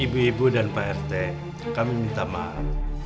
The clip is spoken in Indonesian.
ibu ibu dan pak rt kami minta maaf